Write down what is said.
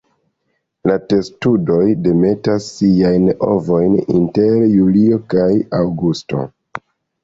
La testudoj demetas siajn ovojn inter julio kaj aŭgusto.